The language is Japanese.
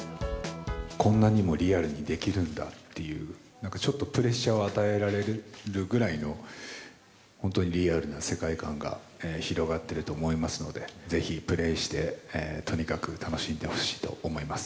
こんなにもリアルにできるんだっていう、なんかちょっとプレッシャーを与えられるぐらいの、本当にリアルな世界観が広がっていると思いますので、ぜひプレイしてとにかく楽しんでほしいと思います。